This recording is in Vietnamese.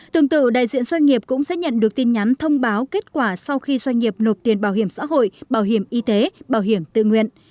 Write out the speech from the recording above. tương tự đại diện doanh nghiệp cũng sẽ nhận được tin nhắn thông báo kết quả sau khi doanh nghiệp nộp tiền bảo hiểm xã hội bảo hiểm y tế bảo hiểm tự nguyện